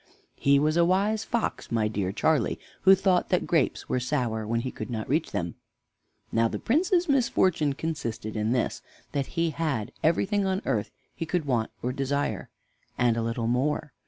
He was a wise fox, my dear Charlie, who thought the grapes were sour when he could not reach them. Now the Prince's misfortune consisted in this, that he had everything on earth he could want or desire, and a little more.